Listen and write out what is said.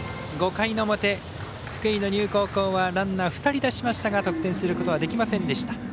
５回の表、福井の丹生高校はランナー２人出しましたが得点することはできませんでした。